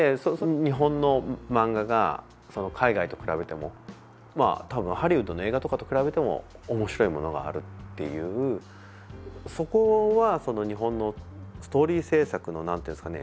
日本の漫画が海外と比べても多分、ハリウッドの映画とかと比べても面白いものがあるっていうそこは日本のストーリー制作のなんていうんですかね